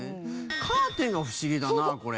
カーテンが不思議だなこれ。